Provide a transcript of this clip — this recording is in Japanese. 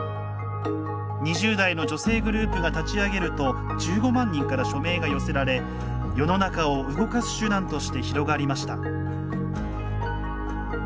２０代の女性グループが立ち上げると１５万人から署名が寄せられ世の中を動かす手段として広がりました。